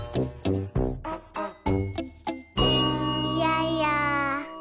いやいや。